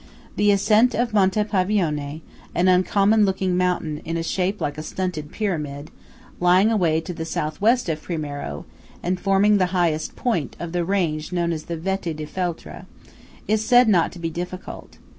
The ascent of Monte Pavione (an uncommon looking mountain in shape like a stunted pyramid, lying away to the S.W. of Primiero, and forming the highest point of the range known as the Vette di Feltre) is said not to be difficult.